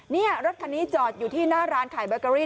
นี่รถคันนี้จอดอยู่ที่หน้าร้านขายเบอร์เกอรี่